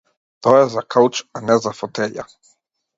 Тој е за кауч, а не за фотеља.